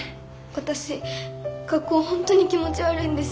私学校ほんとに気持ち悪いんです。